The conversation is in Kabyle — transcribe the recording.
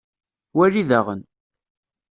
Wali daɣen.